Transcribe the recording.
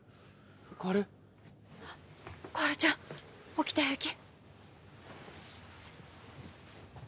小春小春ちゃん起きて平気？